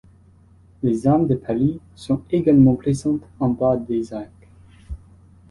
Les armes de Paris sont également présentes en bas des arcs.